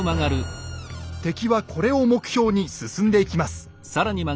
敵はこれを目標に進んでいきます。